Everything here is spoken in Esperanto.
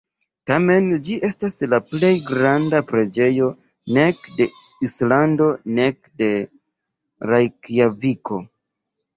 Tamen, ĝi estas la plej granda preĝejo nek de Islando nek de Rejkjaviko.